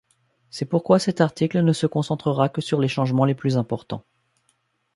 C'est pourquoi cet article ne se concentrera que sur les changements les plus importants.